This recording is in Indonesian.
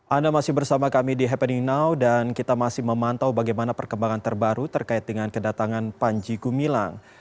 anda masih bersama kami di happening now dan kita masih memantau bagaimana perkembangan terbaru terkait dengan kedatangan panji gumilang